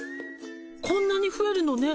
こんなに増えるのね。